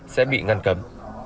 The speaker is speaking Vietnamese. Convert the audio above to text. sẽ bị ngăn cấm